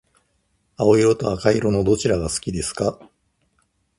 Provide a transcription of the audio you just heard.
青色と赤色のどちらが好きですか？